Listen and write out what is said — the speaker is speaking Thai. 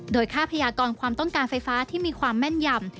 โดยค่าพยากรความต้องการไฟฟ้าที่มีความแม่นยำ